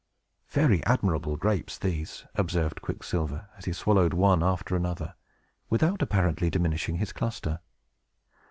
"Very admirable grapes these!" observed Quicksilver, as he swallowed one after another, without apparently diminishing his cluster.